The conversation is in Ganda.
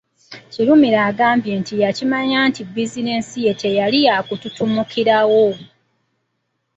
Kirumira agamba nti yakimanya nti bizinensi ye teyali ya kutuntumukirawo.